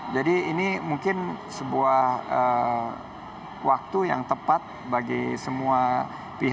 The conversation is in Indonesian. jadi ini mungkin sebuah waktu yang tepat bagi semua pihak